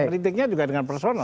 kritiknya juga dengan personal